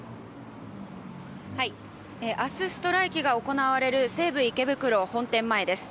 明日、ストライキが行われる西武池袋本店前です。